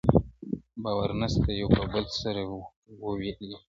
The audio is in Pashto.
باور نسته یو په بل، سره وېریږي٫